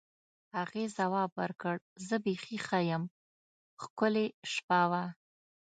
هغې ځواب ورکړ: زه بیخي ښه یم، ښکلې شپه وه.